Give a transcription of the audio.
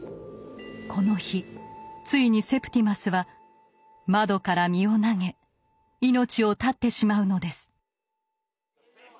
この日ついにセプティマスは窓から身を投げ命を絶ってしまうのです。